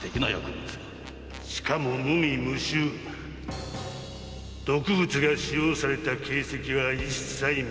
しかも無味無臭毒物が使用された形跡は一切認められぬ。